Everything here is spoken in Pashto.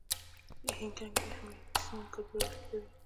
هیکنګ د امنیتي سیسټمونو کمزورۍ لټوي.